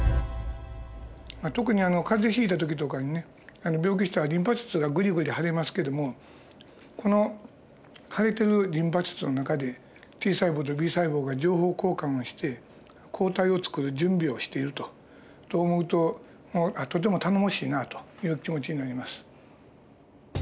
特に風邪ひいた時とかにね病気したらリンパ節がグリグリ腫れますけどもこの腫れているリンパ節の中でＴ細胞とＢ細胞が情報交換をして抗体をつくる準備をしていると。と思うととても頼もしいなという気持ちになります。